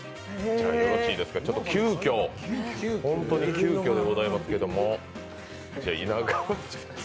じゃ、急きょ、本当に急きょでございますけれども。